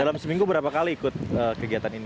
dalam seminggu berapa kali ikut kegiatan ini